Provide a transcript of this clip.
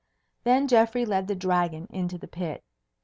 Then Geoffrey led the Dragon into the pit.